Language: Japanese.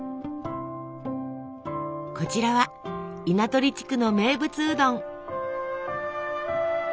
こちらは稲取地区の名物うどん！